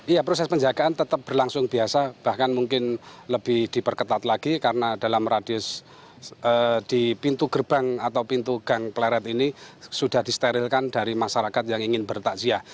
iya proses penjagaan tetap berlangsung biasa bahkan mungkin lebih diperketat lagi karena dalam radius di pintu gerbang atau pintu gang pleret ini sudah disterilkan dari masyarakat yang ingin bertakziah